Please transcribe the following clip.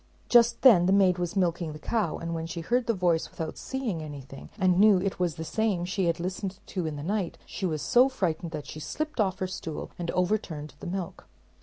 Just then the maid was milking the cow, and when she heard the voice without seeing anything, and knew it was the same she had listened to in the night, she was so frightened that she slipped off her stool and overturned the milk.